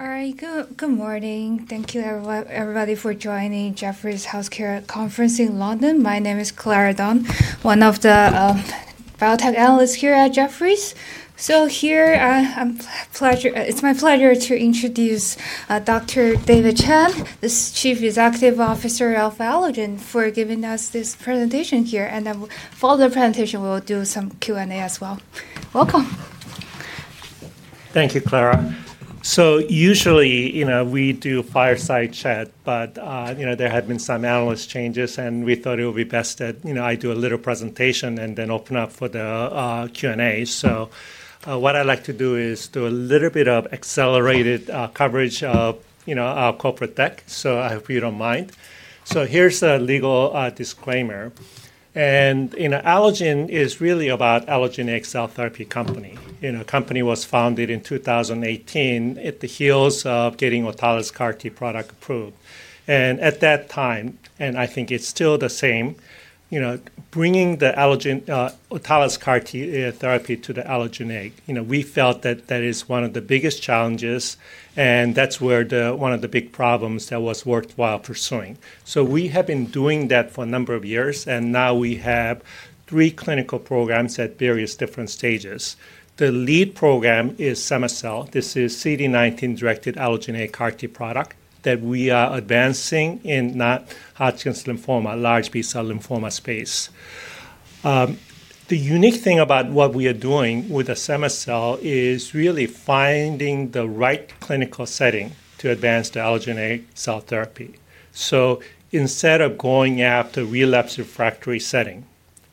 All right, good morning. Thank you, everybody, for joining Jefferies Healthcare Conference in London. My name is Clara Dong, one of the biotech analysts here at Jefferies. Here, it's my pleasure to introduce Dr. David Chang, the Chief Executive Officer of Allogene, for giving us this presentation here. For the presentation, we'll do some Q&A as well. Welcome. Thank you, Clara. Usually, we do fireside chat, but there have been some analyst changes, and we thought it would be best that I do a little presentation and then open up for the Q&A. What I'd like to do is do a little bit of accelerated coverage of corporate tech, so I hope you don't mind. Here is a legal disclaimer. Allogene is really about allogeneic cell company. The company was founded in 2018 at the heels of getting autologous CAR T product approved. At that time, and I think it's still the same, bringing the autologous CAR T therapy to the Allogene egg, we felt that that is one of the biggest challenges, and that's one of the big problems that was worthwhile pursuing. We have been doing that for a number of years, and now we have three clinical programs at various different stages. The lead program is Cema-Cel. This is a CD19-directed allogeneic CAR T product that we are advancing in Hodgkin's lymphoma, large B-cell lymphoma space. The unique thing about what we are doing with the Cema-Cel is really finding the right clinical setting to advance the Allogene cell therapy. Instead of going after relapse refractory setting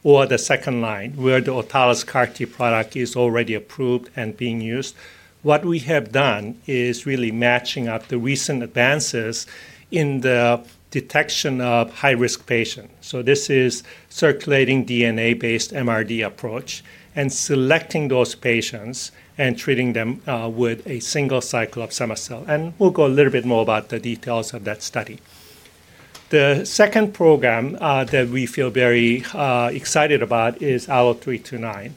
or the second line, where the autologous CAR T product is already approved and being used, what we have done is really matching up the recent advances in the detection of high-risk patients. This is a circulating DNA-based MRD approach and selecting those patients and treating them with a single cycle of Cema-Cel. We will go a little bit more about the details of that study. The second program that we feel very excited about is ALLO-329.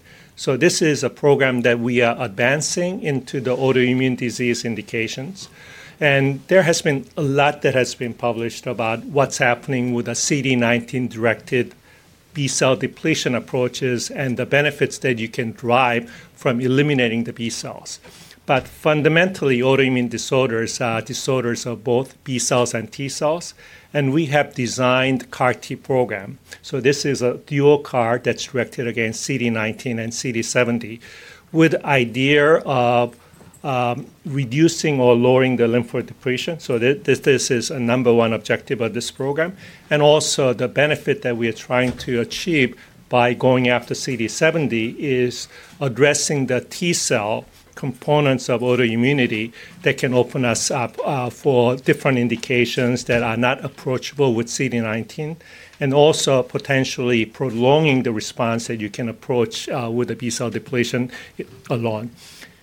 This is a program that we are advancing into the autoimmune disease indications. There has been a lot that has been published about what's happening with the CD19-directed B-cell depletion approaches and the benefits that you can derive from eliminating the B-cells. Fundamentally, autoimmune disorders are disorders of both B-cells and T-cells, and we have designed a CAR T program. This is a dual CAR that's directed against CD19 and CD70 with the idea of reducing or lowering the lymphodepletion. This is a number one objective of this program. The benefit that we are trying to achieve by going after CD70 is addressing the T-cell components of autoimmunity that can open us up for different indications that are not approachable with CD19, and also potentially prolonging the response that you can approach with the B-cell depletion alone.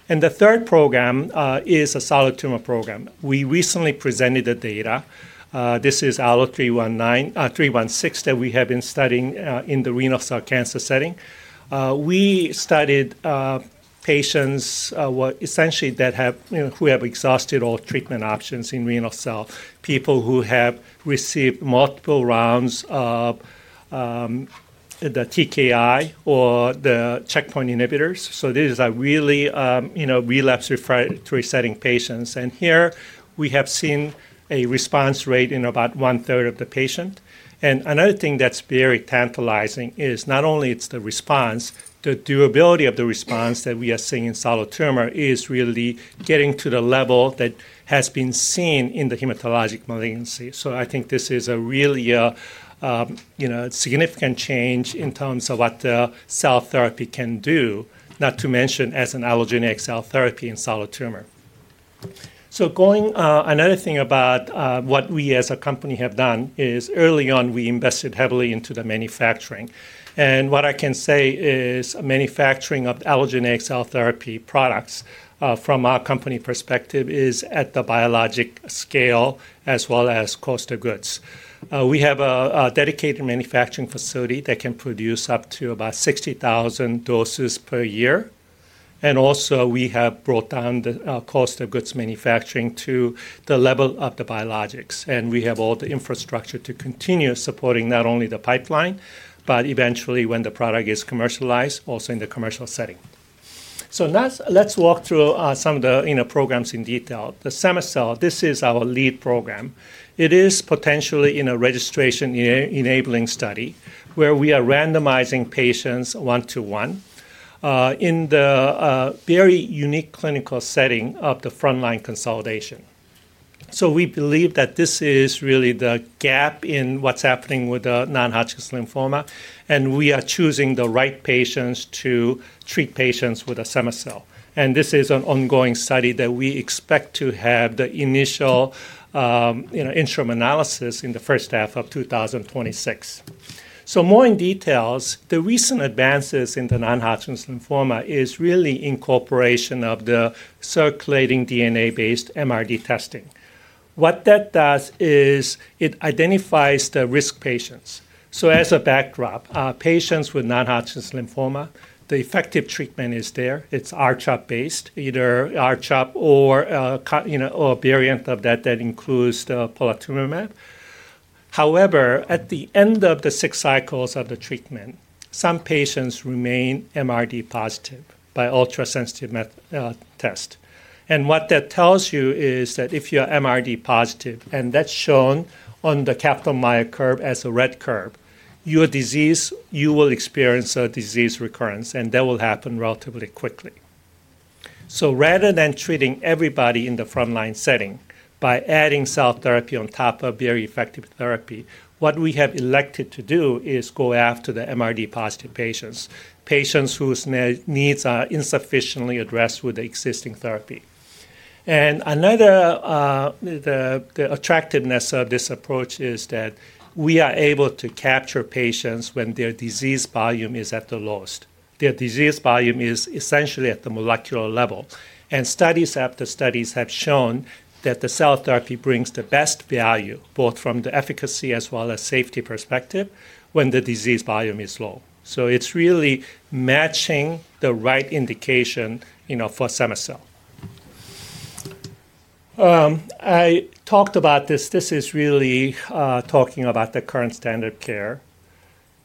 The third program is a solid tumor program. We recently presented the data. This is ALLO-316 that we have been studying in the renal cell cancer setting. We studied patients essentially who have exhausted all treatment options in renal cell, people who have received multiple rounds of the TKI or the checkpoint inhibitors. These are really relapse refractory setting patients. Here, we have seen a response rate in about 1/3 of the patient. Another thing that's very tantalizing is not only it's the response, the durability of the response that we are seeing in solid tumor is really getting to the level that has been seen in the hematologic malignancy. I think this is really a significant change in terms of what the cell therapy can do, not to mention as an allogeneic cell therapy in solid tumor. Another thing about what we as a company have done is early on, we invested heavily into the manufacturing. What I can say is manufacturing of allogeneic cell therapy products from our company perspective is at the biologic scale as well as cost of goods. We have a dedicated manufacturing facility that can produce up to about 60,000 doses per year. Also, we have brought down the cost of goods manufacturing to the level of the biologics. We have all the infrastructure to continue supporting not only the pipeline, but eventually, when the product is commercialized, also in the commercial setting. Let's walk through some of the programs in detail. The Cema-Cel, this is our lead program. It is potentially in a registration-enabling study where we are randomizing patients one-to-one in the very unique clinical setting of the frontline consolidation. We believe that this is really the gap in what's happening with the non-Hodgkin's lymphoma, and we are choosing the right patients to treat patients with a Cema-Cel. This is an ongoing study that we expect to have the initial interim analysis in the first half of 2026. More in detail, the recent advances in the non-Hodgkin's lymphoma is really incorporation of the circulating DNA-based MRD testing. What that does is it identifies the risk patients. As a backdrop, patients with non-Hodgkin's lymphoma, the effective treatment is there. It's R-CHOP based, either R-CHOP or a variant of that that includes the polatuzumab. However, at the end of the six cycles of the treatment, some patients remain MRD positive by ultrasensitive test. What that tells you is that if you're MRD positive, and that's shown on the Kaplan-Meier curve as a red curve, you will experience a disease recurrence, and that will happen relatively quickly. Rather than treating everybody in the frontline setting by adding cell therapy on top of very effective therapy, what we have elected to do is go after the MRD positive patients, patients whose needs are insufficiently addressed with the existing therapy. The attractiveness of this approach is that we are able to capture patients when their disease volume is at the lowest. Their disease volume is essentially at the molecular level. Studies after studies have shown that the cell therapy brings the best value both from the efficacy as well as safety perspective when the disease volume is low. It is really matching the right indication for Cema-Cel. I talked about this. This is really talking about the current standard of care.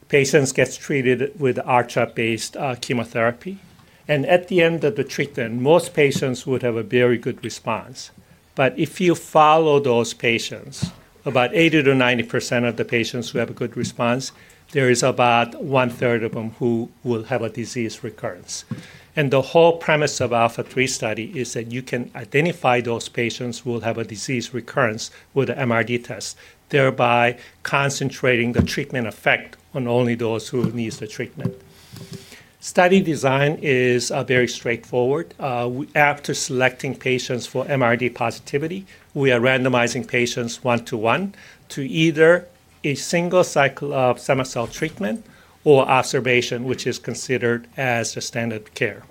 Patients get treated with R-CHOP-based chemotherapy. At the end of the treatment, most patients would have a very good response. If you follow those patients, about 80%-90% of the patients who have a good response, there is about 1/3 of them who will have a disease recurrence. The whole premise of the ALPHA3 study is that you can identify those patients who will have a disease recurrence with an MRD test, thereby concentrating the treatment effect on only those who need the treatment. Study design is very straightforward. After selecting patients for MRD positivity, we are randomizing patients one-to-one to either a single cycle of Cema-Cel treatment or observation, which is considered as the standard of care.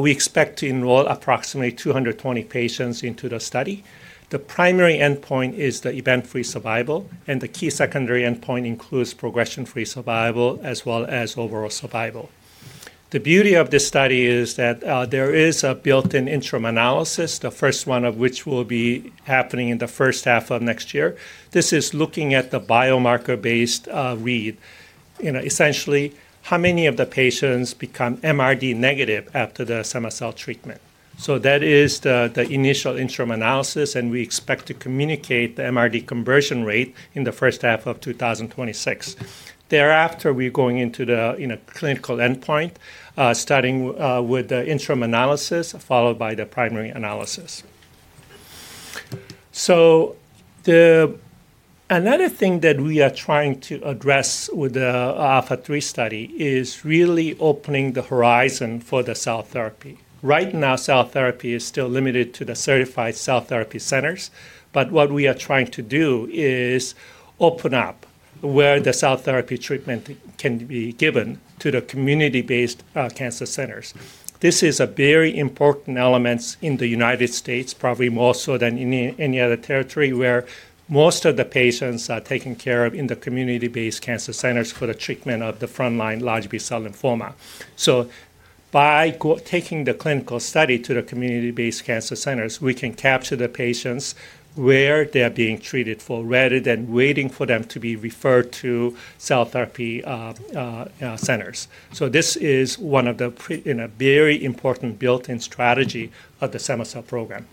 We expect to enroll approximately 220 patients into the study. The primary endpoint is the event-free survival, and the key secondary endpoint includes progression-free survival as well as overall survival. The beauty of this study is that there is a built-in interim analysis, the first one of which will be happening in the first half of next year. This is looking at the biomarker-based read, essentially how many of the patients become MRD negative after the Cema-Cel treatment. That is the initial interim analysis, and we expect to communicate the MRD conversion rate in the first half of 2026. Thereafter, we're going into the clinical endpoint, starting with the interim analysis followed by the primary analysis. Another thing that we are trying to address with the ALPHA3 study is really opening the horizon for the cell therapy. Right now, cell therapy is still limited to the certified cell therapy centers, but what we are trying to do is open up where the cell therapy treatment can be given to the community-based cancer centers. This is a very important element in the United States, probably more so than in any other territory where most of the patients are taken care of in the community-based cancer centers for the treatment of the frontline large B-cell lymphoma. By taking the clinical study to the community-based cancer centers, we can capture the patients where they are being treated for rather than waiting for them to be referred to cell therapy centers. This is one of the very important built-in strategies of the Cema-Cel program.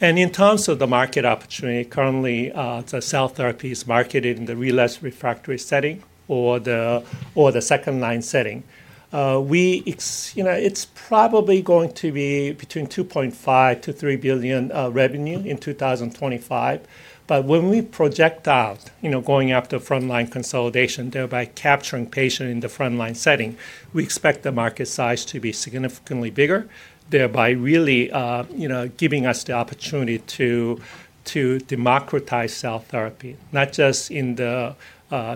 In terms of the market opportunity, currently, the cell therapy is marketed in the relapse refractory setting or the second-line setting. It is probably going to be between $2.5 billion-$3 billion revenue in 2025. When we project out going after frontline consolidation, thereby capturing patients in the frontline setting, we expect the market size to be significantly bigger, thereby really giving us the opportunity to democratize cell therapy, not just in the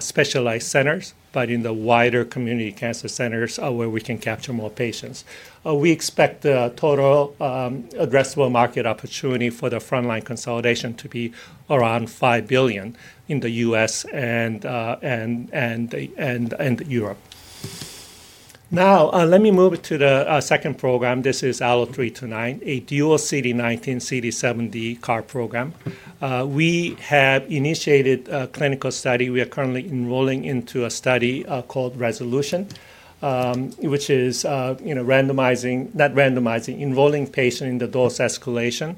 specialized centers, but in the wider community cancer centers where we can capture more patients. We expect the total addressable market opportunity for the frontline consolidation to be around $5 billion in the U.S. and Europe. Now, let me move to the second program. This is ALLO-329, a dual CD19, CD70 CAR program. We have initiated a clinical study. We are currently enrolling into a study called Resolution, which is not randomizing, enrolling patients in the dose escalation.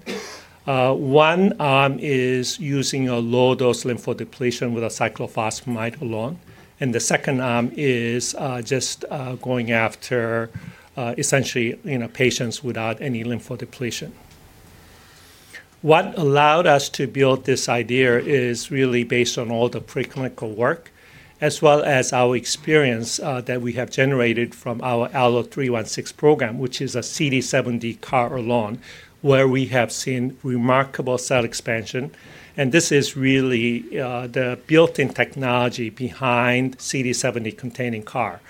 One arm is using a low-dose lymphodepletion with cyclophosphamide alone. The second arm is just going after essentially patients without any lymphodepletion. What allowed us to build this idea is really based on all the pre-clinical work as well as our experience that we have generated from our ALLO-316 program, which is a CD70 CAR alone where we have seen remarkable cell expansion. This is really the built-in technology behind CD70-containing CAR.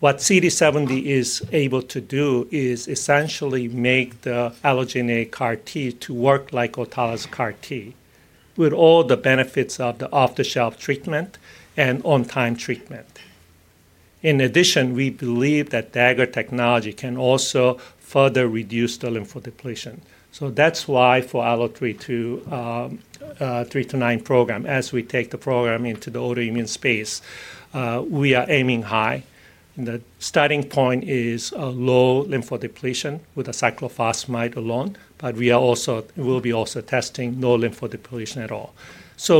What CD70 is able to do is essentially make the allogeneic CAR T work like autologous CAR T with all the benefits of the off-the-shelf treatment and on-time treatment. In addition, we believe that dagger technology can also further reduce the lymphodepletion. That is why for the ALLO-329 program, as we take the program into the autoimmune space, we are aiming high. The starting point is low lymphodepletion with cyclophosphamide alone, but we will also be testing no lymphodepletion at all.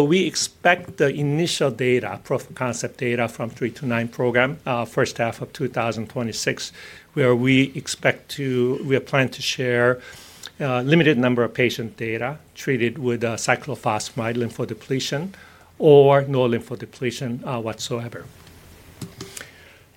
We expect the initial data, proof of concept data from the 329 program, in the first half of 2026, where we are planning to share a limited number of patient data treated with cyclophosphamide lymphodepletion or no lymphodepletion whatsoever.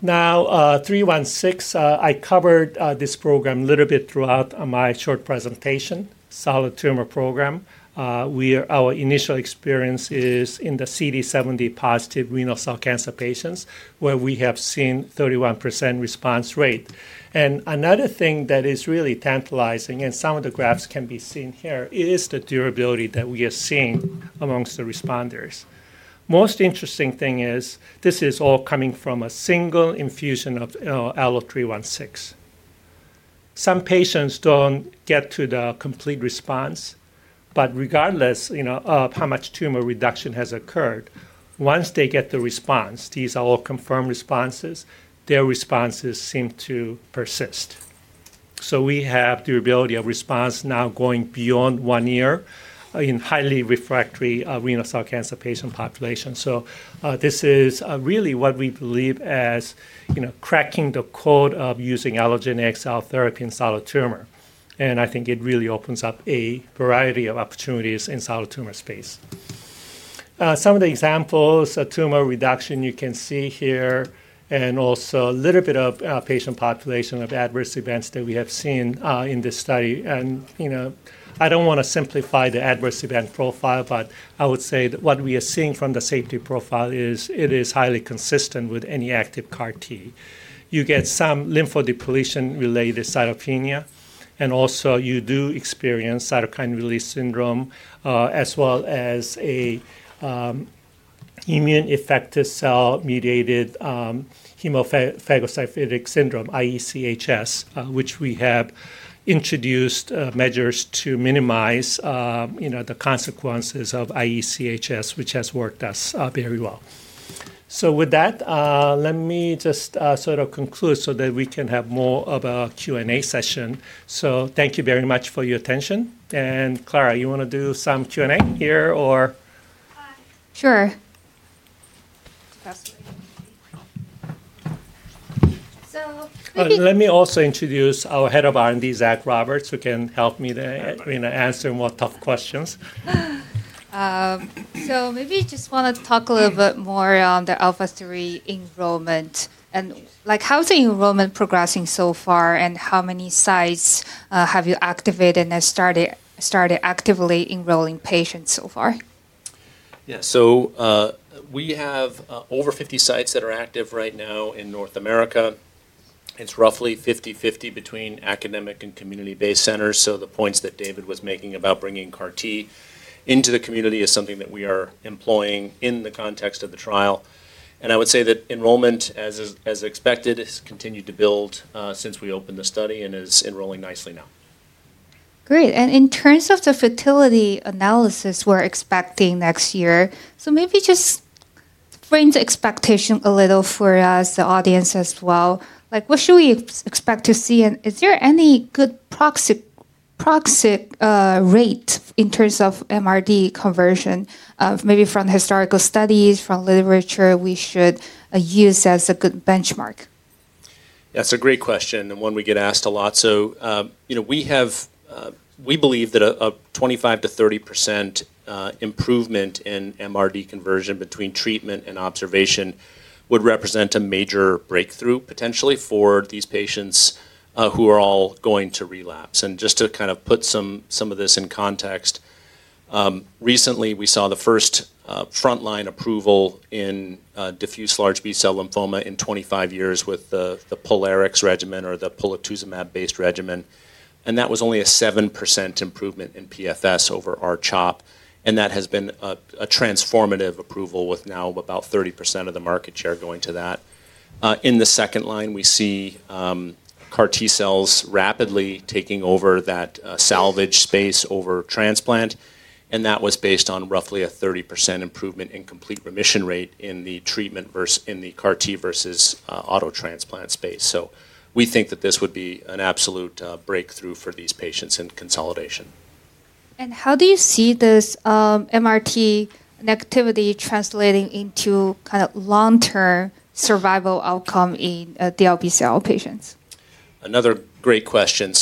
Now, 316, I covered this program a little bit throughout my short presentation, solid tumor program. Our initial experience is in the CD70 positive renal cell cancer patients where we have seen a 31% response rate. Another thing that is really tantalizing, and some of the graphs can be seen here, is the durability that we are seeing amongst the responders. Most interesting thing is this is all coming from a single infusion of ALLO-316. Some patients do not get to the complete response, but regardless of how much tumor reduction has occurred, once they get the response, these are all confirmed responses, their responses seem to persist. We have durability of response now going beyond one year in highly refractory renal cell cancer patient population. This is really what we believe as cracking the code of using allogeneic cell therapy in solid tumor. I think it really opens up a variety of opportunities in solid tumor space. Some of the examples of tumor reduction you can see here and also a little bit of patient population of adverse events that we have seen in this study. I do not want to simplify the adverse event profile, but I would say that what we are seeing from the safety profile is it is highly consistent with any active CAR T. You get some lymphodepletion-related cytopenia, and also you do experience cytokine release syndrome as well as an immune effector cell-mediated hemophagocytic syndrome, IEC-HS, which we have introduced measures to minimize the consequences of IEC-HS, which has worked for us very well. With that, let me just sort of conclude so that we can have more of a Q&A session. Thank you very much for your attention. Clara, you want to do some Q&A here or? Sure. So maybe. Let me also introduce our Head of R&D, Zach Roberts, who can help me answer more tough questions. Maybe I just want to talk a little bit more on the ALPHA3 enrollment and how's the enrollment progressing so far and how many sites have you activated and started actively enrolling patients so far? Yeah. We have over 50 sites that are active right now in North America. It is roughly 50/50 between academic and community-based centers. The points that David was making about bringing CAR T into the community is something that we are employing in the context of the trial. I would say that enrollment, as expected, has continued to build since we opened the study and is enrolling nicely now. Great. In terms of the fertility analysis we are expecting next year, maybe just frame the expectation a little for us, the audience as well. What should we expect to see? Is there any good proxy rate in terms of MRD conversion, maybe from historical studies or from literature, we should use as a good benchmark? Yeah, it's a great question and one we get asked a lot. We believe that a 25%-30% improvement in MRD conversion between treatment and observation would represent a major breakthrough potentially for these patients who are all going to relapse. Just to kind of put some of this in context, recently we saw the first frontline approval in diffuse large B-cell lymphoma in 25 years with the POLARIX regimen or the polituzumab-based regimen. That was only a 7% improvement in PFS over R-CHOP. That has been a transformative approval with now about 30% of the market share going to that. In the second line, we see CAR T cells rapidly taking over that salvage space over transplant. That was based on roughly a 30% improvement in complete remission rate in the CAR T versus auto transplant space. We think that this would be an absolute breakthrough for these patients in consolidation. How do you see this MRD negativity translating into kind of long-term survival outcome in DLBCL patients? Another great question.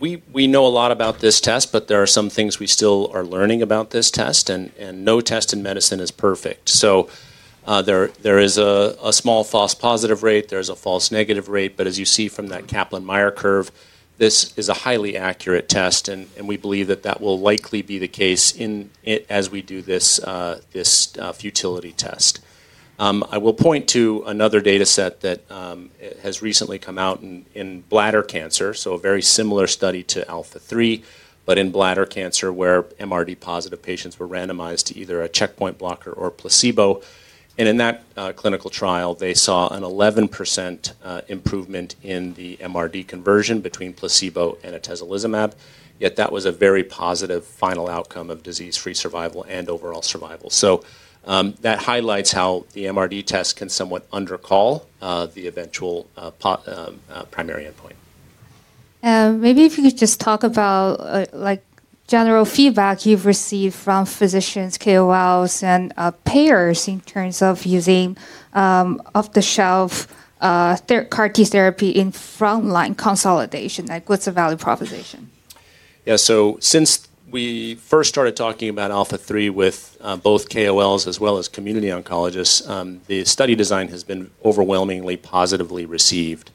We know a lot about this test, but there are some things we still are learning about this test. No test in medicine is perfect. There is a small false positive rate, there is a false negative rate. As you see from that Kaplan-Meier curve, this is a highly accurate test. We believe that that will likely be the case as we do this futility test. I will point to another data set that has recently come out in bladder cancer, a very similar study to ALPHA3, but in bladder cancer where MRD positive patients were randomized to either a checkpoint blocker or placebo. In that clinical trial, they saw an 11% improvement in the MRD conversion between placebo and atezolizumab, yet that was a very positive final outcome of disease-free survival and overall survival. That highlights how the MRD test can somewhat undercall the eventual primary endpoint. Maybe if you could just talk about general feedback you've received from physicians, KOLs, and payers in terms of using off-the-shelf CAR T therapy in frontline consolidation, like what's the value proposition? Yeah. Since we first started talking about ALPHA3 with both KOLs as well as community oncologists, the study design has been overwhelmingly positively received.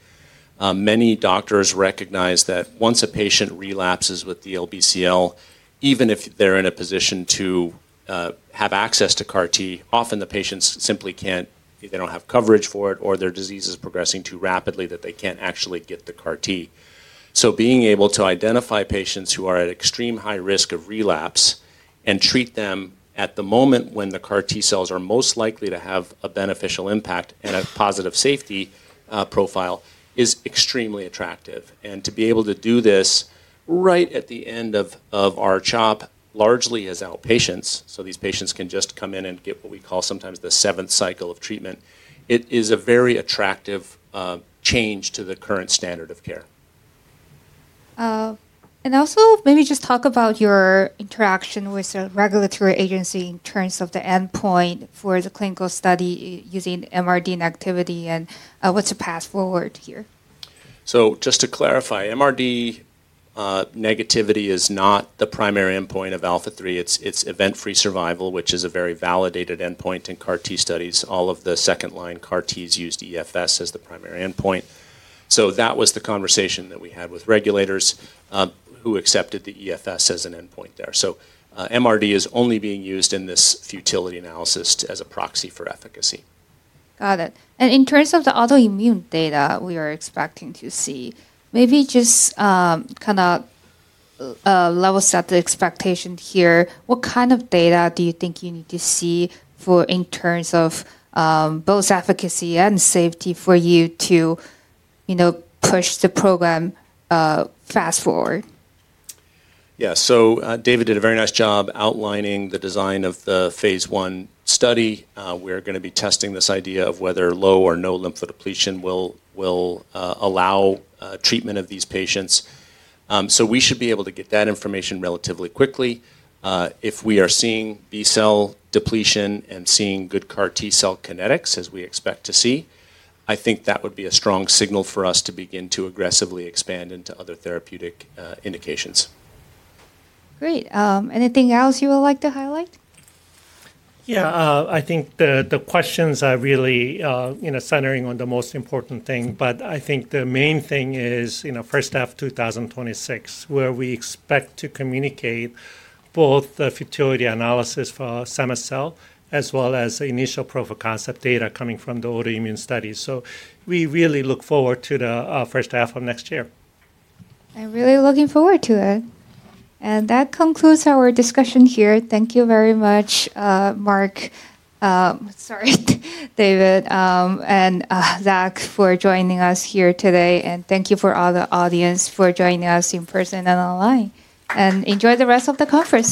Many doctors recognize that once a patient relapses with DLBCL, even if they're in a position to have access to CAR T, often the patients simply can't either don't have coverage for it or their disease is progressing too rapidly that they can't actually get the CAR T. Being able to identify patients who are at extreme high risk of relapse and treat them at the moment when the CAR T cells are most likely to have a beneficial impact and a positive safety profile is extremely attractive. To be able to do this right at the end of our R-CHOP, largely as outpatients, so these patients can just come in and get what we call sometimes the seventh cycle of treatment, it is a very attractive change to the current standard of care. Maybe just talk about your interaction with the regulatory agency in terms of the endpoint for the clinical study using MRD negativity and what's the path forward here. Just to clarify, MRD negativity is not the primary endpoint of ALPHA3. It's event-free survival, which is a very validated endpoint in CAR T studies. All of the second-line CAR Ts used EFS as the primary endpoint. That was the conversation that we had with regulators who accepted the EFS as an endpoint there. MRD is only being used in this futility analysis as a proxy for efficacy. Got it. In terms of the autoimmune data we are expecting to see, maybe just kind of level set the expectation here. What kind of data do you think you need to see in terms of both efficacy and safety for you to push the program fast forward? Yeah. David did a very nice job outlining the design of the phase I study. We're going to be testing this idea of whether low or no lymphodepletion will allow treatment of these patients. We should be able to get that information relatively quickly. If we are seeing B-cell depletion and seeing good CAR T cell kinetics as we expect to see, I think that would be a strong signal for us to begin to aggressively expand into other therapeutic indications. Great. Anything else you would like to highlight? Yeah. I think the questions are really centering on the most important thing. I think the main thing is first half 2026 where we expect to communicate both the futility analysis for Cema-Cel as well as the initial proof of concept data coming from the autoimmune studies. We really look forward to the first half of next year. I'm really looking forward to it. That concludes our discussion here. Thank you very much, Mark, sorry, David, and Zach for joining us here today. Thank you to all the audience for joining us in person and online. Enjoy the rest of the conference.